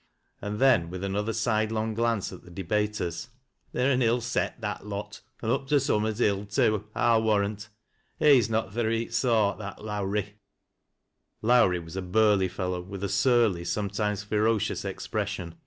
And then with another sidelong glance at the debaters :" They're an ill set, that lot, an' up to summat ill too, I'll warrant. He's not th' reet soart, that Lowrie." Lowrie was a burly fellow with a surly, sometimes fero cious, expression.